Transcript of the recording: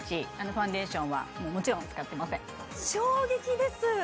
ファンデーションはもちろん使ってません衝撃です！